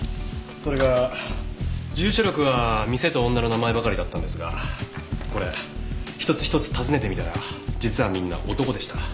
それが住所録は店と女の名前ばかりだったんですがこれ一つ一つ訪ねてみたら実はみんな男でした。